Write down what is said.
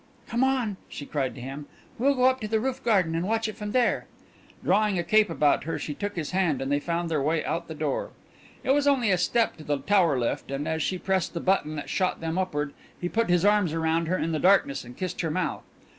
"Come on!" she cried to him. "We'll go up to the roof garden, and watch it from there!" Drawing a cape about her, she took his hand, and they found their way out the door. It was only a step to the tower lift, and as she pressed the button that shot them upward he put his arms around her in the darkness and kissed her mouth.